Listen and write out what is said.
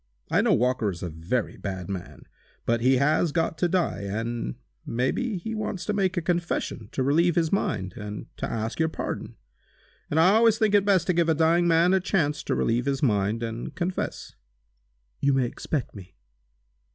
I know Walker is a very bad man, but he has got to die, and may be he wants to make a confession to relieve his mind, and to ask your pardon. And I always think it best to give a dying man a chance to relieve his mind, and confess." "You may expect me!"